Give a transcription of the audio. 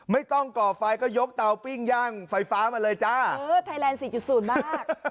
ก่อไฟก็ยกเตาปิ้งย่างไฟฟ้ามาเลยจ้าเออไทยแลนด์สี่จุดศูนย์มาก